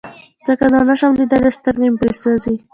ځکه نور نشم ليدلى سترګې مې پرې سوزي.